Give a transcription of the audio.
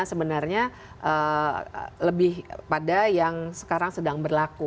sebenarnya lebih pada yang sekarang sedang berlaku